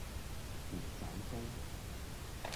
砵仔糕